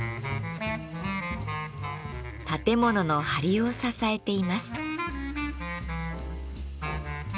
建物のはりを支えています。